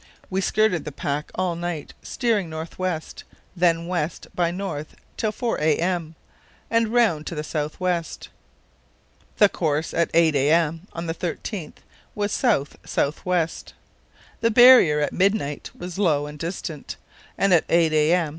We skirted the pack all night, steering north west; then went west by north till 4 a.m. and round to south west. The course at 8 a.m. on the 13th was south south west. The barrier at midnight was low and distant, and at 8 a.m.